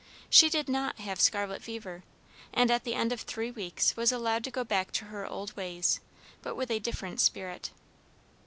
She did not have scarlet fever, and at the end of three weeks was allowed to go back to her old ways, but with a different spirit.